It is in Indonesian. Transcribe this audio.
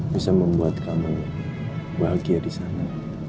bisa membuat kamu bahagia di sana